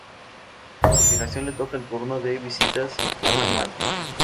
A continuación le toca el turno de visitas a la madre.